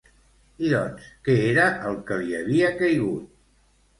I doncs, què era el que li havia caigut?